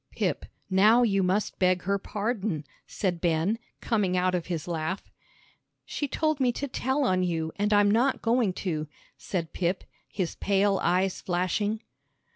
"Pip, now you must beg her pardon," said Ben, coming out of his laugh. "She told me to tell on you, and I'm not going to," said Pip, his pale eyes flashing.